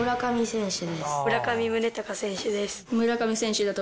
村上宗隆選手です。